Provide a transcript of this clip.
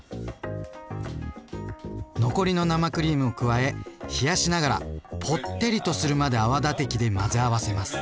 残りの生クリームを加え冷やしながらぽってりとするまで泡立て器で混ぜ合わせます。